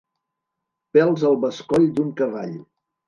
Pèls al bescoll d'un cavall.